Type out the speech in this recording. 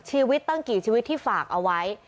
ตั้งกี่ชีวิตที่ฝากเอาไว้